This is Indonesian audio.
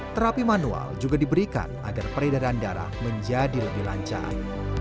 terapi manual juga diberikan agar peredaran darah menjadi lebih lancar